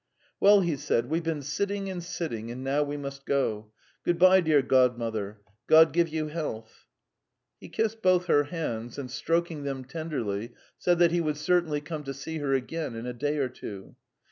"Well," he said, "we've been sitting and sitting, and now we must go. Good bye, dear Godmother. God give you health." He kissed both her hands, and stroking them tenderly, said that he should certainly come to see her again in a day or two.